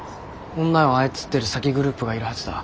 女を操ってる詐欺グループがいるはずだ。